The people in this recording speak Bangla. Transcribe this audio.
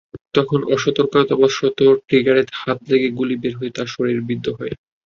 তখন অসতর্কতাবশত ট্রিগারে হাত লেগে গুলি বের হয়ে তাঁর শরীরে বিদ্ধ হয়।